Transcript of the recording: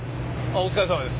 お疲れさまです。